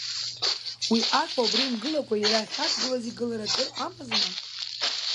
Уи аҵла убра имгылакәа иара ахьадгылаз игылар акыр амазма…